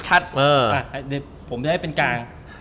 อเจมส์ผมได้เป็นกาง